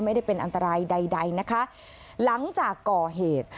ไม่ได้เป็นอันตรายใดใดนะคะหลังจากก่อเหตุ